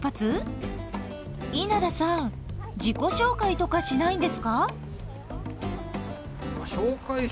稲田さん自己紹介とかしないんですか？